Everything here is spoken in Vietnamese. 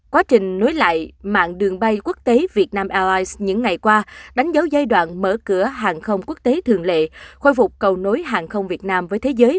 quá trình nối lại mạng đường bay quốc tế việt nam airlines những ngày qua đánh dấu giai đoạn mở cửa hàng không quốc tế thường lệ khôi phục cầu nối hàng không việt nam với thế giới